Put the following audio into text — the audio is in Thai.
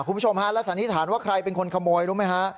คุณผู้ชมฮะแล้วสันนิษฐานว่าใครเป็นคนขโมยรู้ไหมฮะ